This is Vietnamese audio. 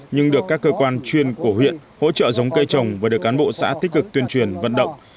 nhưng được các cơ quan chuyên của huyện hỗ trợ giống cây trồng và được cán bộ xã tích cực tuyên truyền vận động